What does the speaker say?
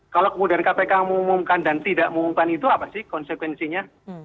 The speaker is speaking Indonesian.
kalau kemudian kpk mengumumkan dan tidak mengumumkan itu apa sih konsekuensinya